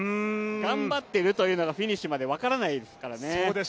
頑張ってるというのがフィニッシュまで分からないですからね。